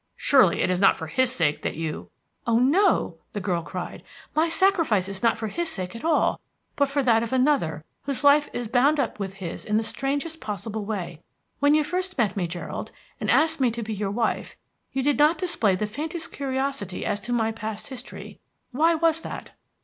Surely it is not for his sake that you " "Oh, no," the girl cried. "My sacrifice is not for his sake at all, but for that of another whose life is bound up with his in the strangest possible way. When you first met me, Gerald, and asked me to be your wife, you did not display the faintest curiosity as to my past history. Why was that?"